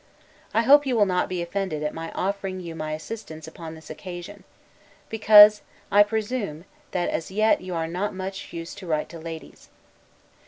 I hope you will not be offended at my offering you my assistance upon this occasion; because, I presume, that as yet, you are not much used to write to ladies.